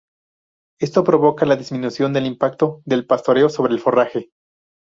Esto provoca la disminución del impacto del pastoreo sobre el forraje.